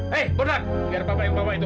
hei bodan biar bapak yang bawa itu